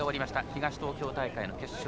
東東京大会の決勝。